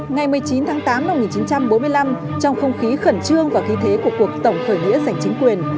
ngày một mươi chín tháng tám năm một nghìn chín trăm bốn mươi năm trong không khí khẩn trương và khí thế của cuộc tổng khởi nghĩa giành chính quyền